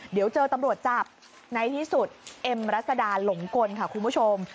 เดี๋ยวเจอตำรวจจับในที่สุดเอ็มรัศดาหลงกลค่ะคุณผู้ชม